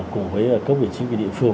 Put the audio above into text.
cùng với các vị chính quy địa phương